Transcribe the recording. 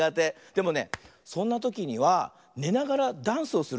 でもねそんなときにはねながらダンスをするとおきられるんだよ。